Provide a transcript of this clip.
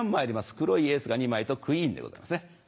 黒いエースが２枚とクイーンでございますね。